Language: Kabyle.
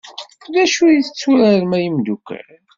D acu i t-tturarem ay imdukal?